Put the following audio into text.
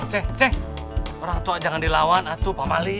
cek cek orang tua jangan dilawan atuh pamali